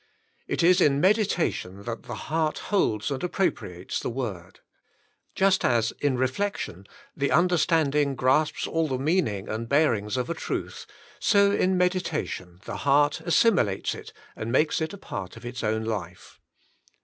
It is in meditation that the heart holds and ap propriates the Word. Just as in reflection the understanding grasps all the meaning and bearings of a truth, so in meditation the heart, assimilates 72 Meditation 73 it and makes it a part of its own life.